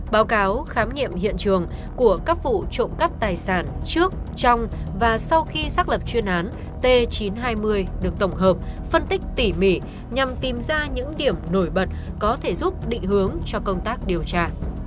báo cáo khám nghiệm hiện trường của các vụ trộm cắp tài sản trước trong và sau khi xác lập chuyên án t chín trăm hai mươi được tổng hợp phân tích tỉ mỉ nhằm tìm ra những điểm nổi bật có thể giúp định hướng cho công tác điều tra